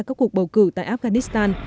các cuộc bầu cử tại afghanistan